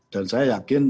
dan saya yakin